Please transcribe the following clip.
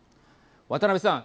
渡辺さん。